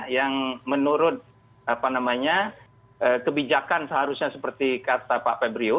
yang menurut kebijakan seharusnya seperti kata pak febrio